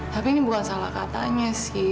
tapi ini bukan salah katanya sih